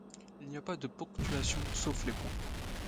Il n'y a pas de ponctuation sauf les points.